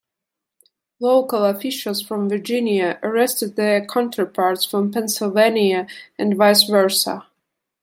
Local officials from Virginia arrested their counterparts from Pennsylvania and vice versa.